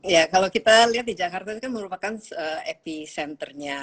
ya kalau kita lihat di jakarta itu kan merupakan epicenter nya